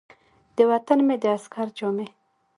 د وطن مې د عسکر جامې ،